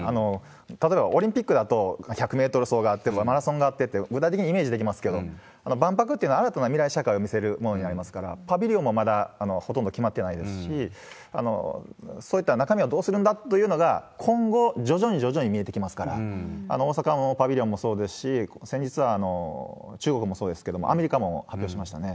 例えばオリンピックだと、１００メートル走があって、マラソンがあってって、具体的にイメージできますけど、万博っていうのは新たな未来社会を見せるものになりますから、パビリオンもまだほとんど決まってないですし、そういった中身をどうするんだというのが、今後、徐々に徐々に見えてきますから、大阪のパビリオンもそうですし、先日は、中国もそうですけれども、アメリカも発表しましたね。